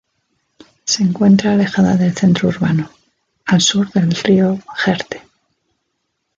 Se encuentra alejada del centro urbano, al sur del río Jerte.